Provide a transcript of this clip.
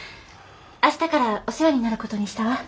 明日からお世話になる事にしたわ。